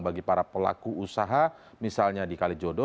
bagi para pelaku usaha misalnya di kalijodo